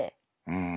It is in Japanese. うん。